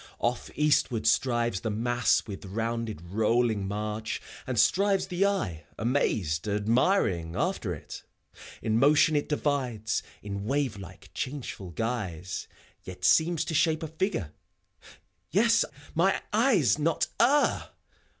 Off eastward strives the mass with rounded, rolling march: And strives the eye, amazed, admiring, after it. In motion it divides, in wave like, changeful guise ; Yet seems to shape a figure. — ^Yes I mine eyes not err